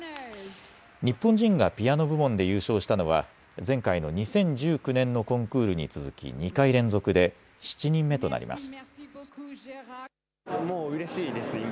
日本人がピアノ部門で優勝したのは前回の２０１９年のコンクールに続き２回連続で７人目となります。